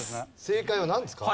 正解はなんですか？